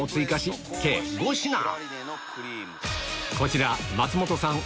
こちら松本さん